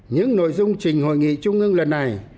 những nội dung trình hội nghị trung ương lần này